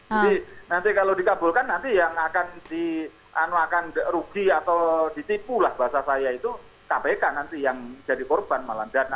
jadi nanti kalau dikabulkan nanti yang akan rugi atau ditipu lah bahasa saya itu kpk nanti yang jadi korban malah